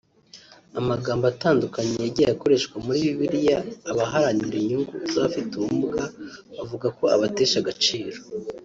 Amagambo atandukanye yagiye akoreshwa muri Bibiliya abaharanira inyungu z’abafite ubumuga bavuga ko abatesha agaciro